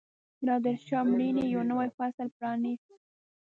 د نادرشاه مړینې یو نوی فصل پرانیست.